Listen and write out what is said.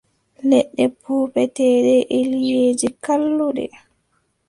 Leɗɗe puufeteeɗe e liʼeeji, kalluɗe.